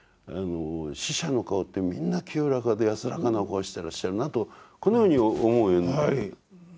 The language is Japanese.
死者の顔ってみんな清らかで安らかなお顔してらっしゃるなとこのように思うようになっていくんですね。